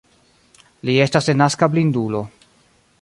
Li estas denaska blindulo.